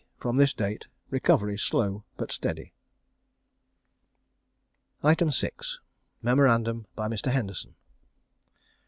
From this date recovery slow but steady. 6. _Memorandum by Mr. Henderson.